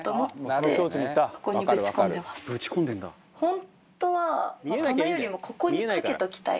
本当は畳むよりもここにかけときたい。